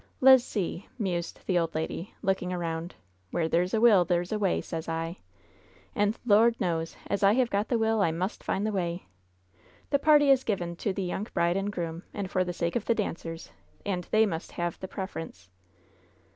"Le's see," mused the old lady, looking around. " 'Where there's a will there's a way,' sez I ! And, Lord knows, as I have got the will, I must find the way ! The party is given to the young bride and groom, and for the sake of the dancers, and they must have the preference.